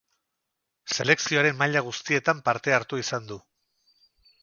Selekzioaren maila guztietan parte hartu izan du.